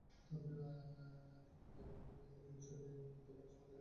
তাঁদের দাবির মুখে তাঁকে সরিয়ে নিতে পররাষ্ট্র মন্ত্রণালয় রিয়াদের প্রতি আহ্বান জানিয়েছে।